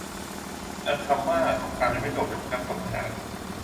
ดังคำว่าสงครามยังไม่จบอย่าเพิ่งนับศพทหาร